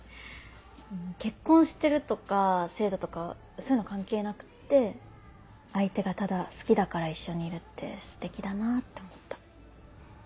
結婚してるとか制度とかそういうの関係なくって相手がただ好きだから一緒にいるってステキだなって思った。